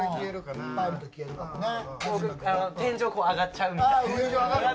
天井、上がっちゃうみたいな。